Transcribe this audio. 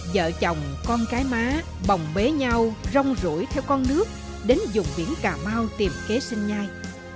vợ chồng con cái má bồng bế nhau rong rủi theo con nước đến dùng biển cà mau tìm kế sinh nhai